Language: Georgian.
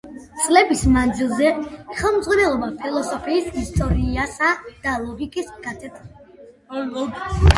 წლების მანძილზე ხელმძღვანელობდა ფილოსოფიის ისტორიისა და ლოგიკის კათედრებს.